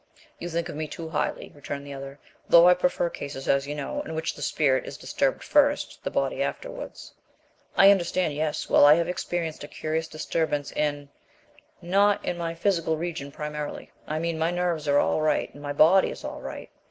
"You think of me too highly," returned the other; "though I prefer cases, as you know, in which the spirit is disturbed first, the body afterwards." "I understand, yes. Well, I have experienced a curious disturbance in not in my physical region primarily. I mean my nerves are all right, and my body is all right.